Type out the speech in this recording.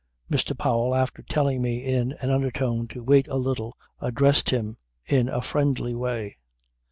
"Mr. Powell after telling me in an undertone to wait a little addressed him in a friendly way.